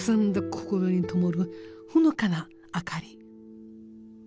心に灯るほのかな明かり。